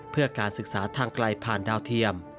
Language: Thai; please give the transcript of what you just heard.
เพื่อการศึกษาทางไกลผ่านดาวเทียม